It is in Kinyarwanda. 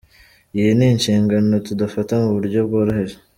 Iyi ni inshingano tudafata mu buryo bworoheje.